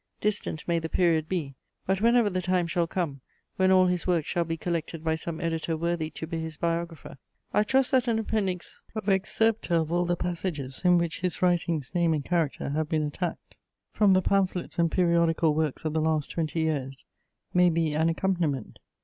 Distant may the period be, but whenever the time shall come, when all his works shall be collected by some editor worthy to be his biographer, I trust that an appendix of excerpta of all the passages, in which his writings, name, and character have been attacked, from the pamphlets and periodical works of the last twenty years, may be an accompaniment.